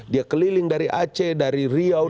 dia keliling dari aceh dari riau